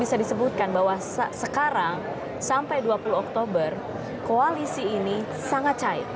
bisa disebutkan bahwa sekarang sampai dua puluh oktober koalisi ini sangat cair